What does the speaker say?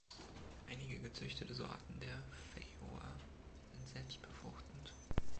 Einige gezüchtete Sorten der Feijoa sind selbstbefruchtend.